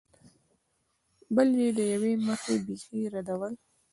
بل یې له یوې مخې بېخي ردول دي.